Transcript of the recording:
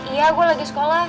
iya gue lagi sekolah